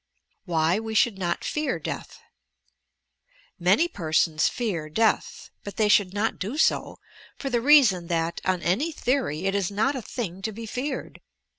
WHY WE SHOULD NOT PEAR DEATH Many persons fear death ; but they should not do bo for the reason that, on any theory, it is not a thing to be feared.